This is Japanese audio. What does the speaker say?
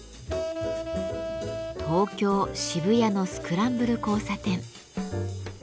東京・渋谷のスクランブル交差点。